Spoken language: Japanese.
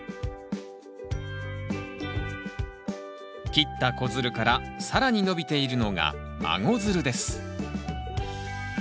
切った子づるから更に伸びているのが孫づるです。